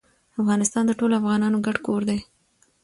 افغانستان د ټولو افغانانو ګډ کور ده.